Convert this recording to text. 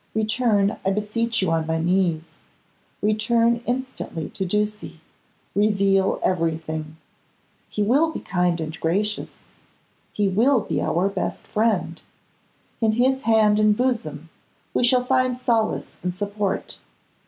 Return, I beseech you on my knees; return instantly to Ducie; reveal everything. He will be kind and gracious; he will be our best friend; in his hand and bosom we shall find solace and support.